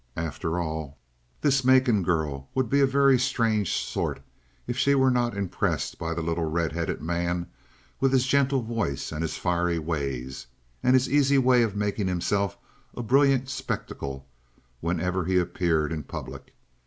After all, this Macon girl would be a very strange sort if she were not impressed by the little red headed man, with his gentle voice and his fiery ways, and his easy way of making himself a brilliant spectacle whenever he appeared in public.